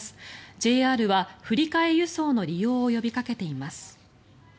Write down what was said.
ＪＲは振り替え輸送の利用を呼びかけています。